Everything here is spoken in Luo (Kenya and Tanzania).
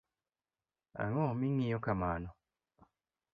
Ango mingiyo kamano .